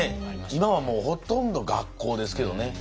今はもうほとんど学校ですけどね。